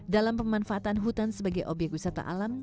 dalam pemanfaatan hutan sebagai obyek wisata alam